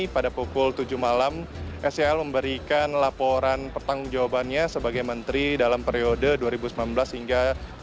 pada pukul tujuh malam sel memberikan laporan pertanggung jawabannya sebagai menteri dalam periode dua ribu sembilan belas hingga dua ribu sembilan belas